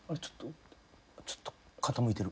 ちょっと傾いてる。